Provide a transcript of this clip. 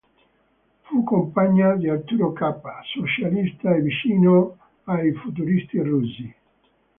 Fu compagna di Arturo Cappa, socialista e vicino ai futuristi russi.